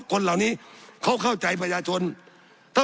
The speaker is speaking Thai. สับขาหลอกกันไปสับขาหลอกกันไป